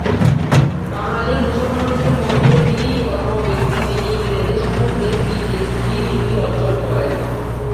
বাঙ্গালী মুসলমানদের মধ্যে তিনিই প্রথম ব্যক্তি যিনি ইংরেজি সাহিত্যে পিএইচডি ডিগ্রী অর্জন করেন।